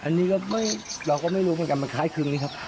อันนี้ก็ไม่เราก็ไม่รู้มันกลายคืนนี้ครับ